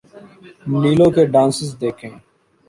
نیلو کے ڈانسز دیکھیں۔